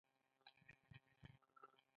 انصاف او ملګرتیا سوله راولي.